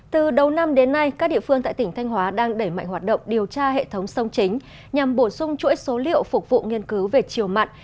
từ đầu năm đến nay các địa phương tại tỉnh thanh hóa đang đẩy mạnh hoạt động điều tra hệ thống sông chính nhằm bổ sung chuỗi số liệu phục vụ nghiên cứu về chiều mặn